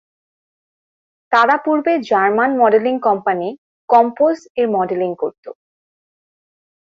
তারা পূর্বে German modelling company "Compose" এর মডেলিং করতো।